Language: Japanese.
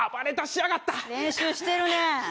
練習してるねえ。